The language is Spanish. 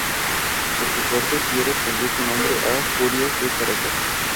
Por su parte, Fieras cambió su nombre a Furias de Caracas.